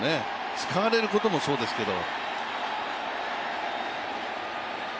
使われることもそうですけど。